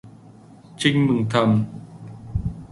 Trinh mừng thầm